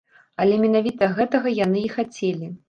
Але менавіта гэтага яны і хацелі!